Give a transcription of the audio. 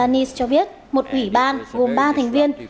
anthony antony cho biết một ủy ban gồm ba thành viên